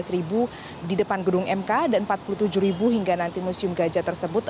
lima belas ribu di depan gedung mk dan empat puluh tujuh hingga nanti museum gajah tersebut